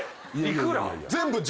幾ら？